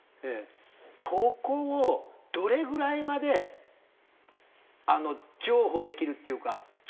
ここをどれぐらいまで譲歩できるっていうか譲歩できないのか。